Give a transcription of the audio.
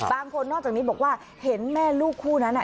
บางคนนอกจากนี้บอกว่าเห็นแม่ลูกคู่นั้น